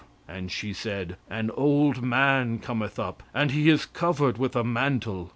And she said, An old man cometh up; and he is covered with a mantle.